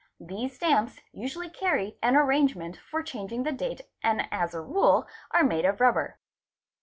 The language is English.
'These stamps usually carry an arrange ~ ment for changing the date and as a rule are made of rubber.